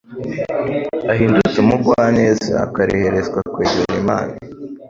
ahindutse umugwaneza akareherezwa kwegera Imana,